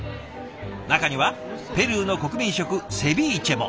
中にはペルーの国民食セビーチェも。